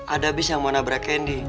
ada bis yang mau nabrak candy